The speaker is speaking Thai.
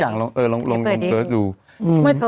เออลองก้อนวิกษิต